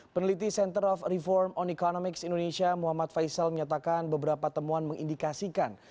peneliti center of reform on economics indonesia muhammad faisal menyatakan beberapa temuan mengindikasikan